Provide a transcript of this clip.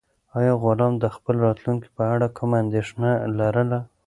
آیا غلام د خپل راتلونکي په اړه کومه اندېښنه لرله؟